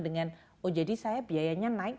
dengan oh jadi saya biayanya naik